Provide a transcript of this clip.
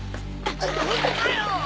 本当かよ！